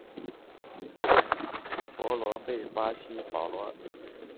博费特是巴西圣保罗州的一个市镇。